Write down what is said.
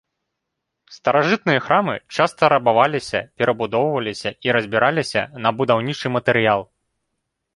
Старажытныя храмы часта рабаваліся, перабудоўваліся і разбіраліся на будаўнічы матэрыял.